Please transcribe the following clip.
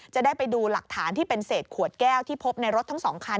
จะได้ไปดูหลักฐานที่เป็นเศษขวดแก้วที่พบในรถทั้ง๒คัน